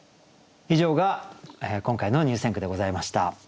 以上が今回の入選句でございました。